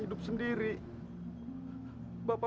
kalo kamu ikut sama ayah bapak